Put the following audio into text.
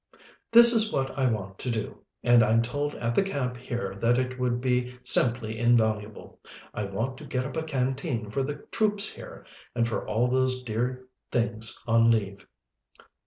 "This is what I want to do, and I'm told at the camp here that it would be simply invaluable. I want to get up a Canteen for the troops here, and for all those dear things on leave."